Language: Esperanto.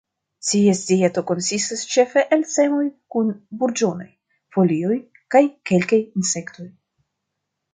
Ties dieto konsistas ĉefe el semoj kun burĝonoj, folioj kaj kelkaj insektoj.